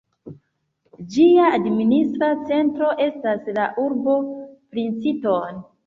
Ĝia administra centro estas la urbo Princeton.